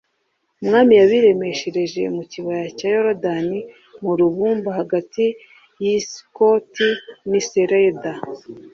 “umwami yabiremeshereje mu kibaya cya yorodani mu rubumba hagati y’i sukoti n’i sereda.”